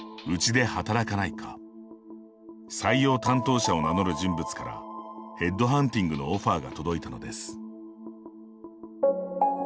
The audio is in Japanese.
採用担当者を名乗る人物からヘッドハンティングのオファーが届いたのです。